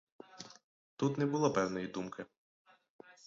Тут не було певної думки.